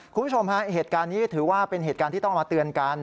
คุณผู้ชมฮะเหตุการณ์นี้ถือว่าเป็นเหตุการณ์ที่ต้องมาเตือนกัน